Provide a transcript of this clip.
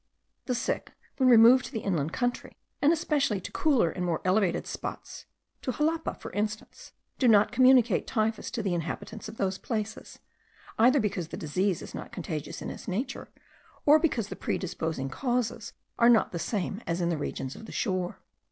The sick, when removed to the inland country, and especially to cooler and more elevated spots, to Xalapa, for instance, do not communicate typhus to the inhabitants of those places, either because the disease is not contagious in its nature, or because the predisposing causes are not the same as in the regions of the shore.